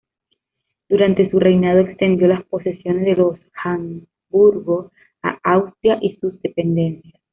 Durante su reinado extendió las posesiones de los Habsburgo a Austria y sus dependencias.